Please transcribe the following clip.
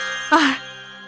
dan selamat menikmati